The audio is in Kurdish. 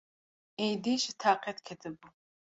Êdî ji taqet ketibû.